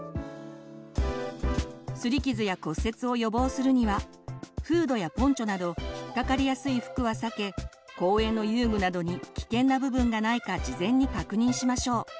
すり傷や骨折を予防するにはフードやポンチョなど引っかかりやすい服は避け公園の遊具などに危険な部分がないか事前に確認しましょう。